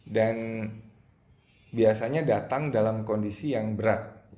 dan biasanya datang dalam kondisi yang berat